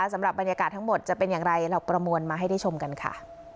สำหรับบรรยากาศทั้งหมดจะเป็นอย่างไรเราประมวลมาให้ได้ชมกันค่ะ